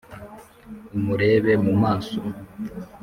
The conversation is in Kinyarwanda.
umurebe mu maso